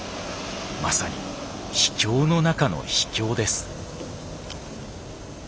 まさに秘境の中の秘境です。